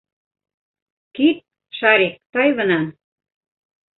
Кит, Шарик, тай бынан!